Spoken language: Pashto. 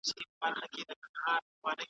ایا تکړه پلورونکي شین ممیز پلوري؟